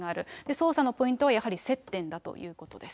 捜査のポイントは、やはり接点だということです。